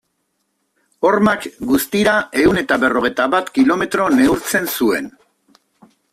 Hormak, guztira ehun eta berrogei bat kilometro neurtzen zuen.